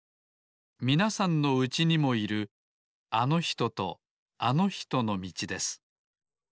みなさんのうちにもいるあのひととあのひとのみちです